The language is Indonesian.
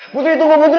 putri tunggu putri